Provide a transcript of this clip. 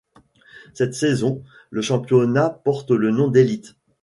Cette saison, le championnat porte le nom d'Élite.